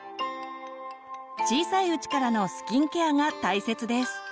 小さいうちからのスキンケアが大切です。